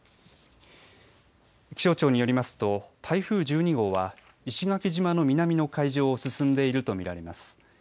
気象庁によりますと台風１２号は、石垣島の南の海上を進んでいるとみられます。